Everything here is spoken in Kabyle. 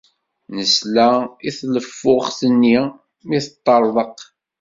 Nesla i tleffuɣt-nni mi teṭṭerḍeq.